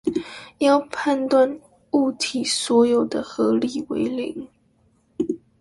要判斷物體所受的合力為零